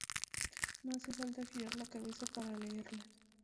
No hace falta girar la cabeza para leerlas.